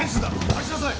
返しなさい！